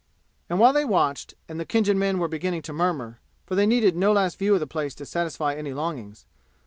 And while they watched, and the Khinjan men were beginning to murmur (for they needed no last view of the place to satisfy any longings!)